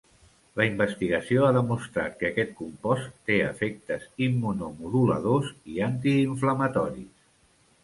La investigació ha demostrat que aquest compost té efectes immunomoduladors i antiinflamatoris.